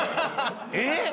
えっ！？